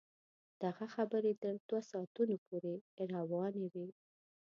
دغه خبرې تر دوه ساعتونو پورې روانې وې.